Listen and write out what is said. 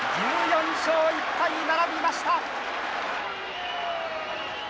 １４勝１敗、並びました。